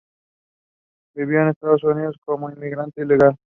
Vivió en los Estados Unidos como inmigrante ilegal.